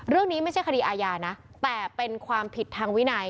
เรื่องนี้ไม่ใช่คดีอาญานะแต่เป็นความผิดทางวินัย